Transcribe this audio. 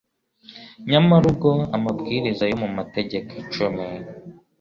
nyamara ubwo amabwiriza yo mu mategeko cumi